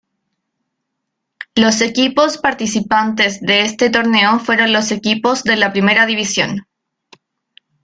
Los equipos participantes de este torneo fueron los equipos de la primera división.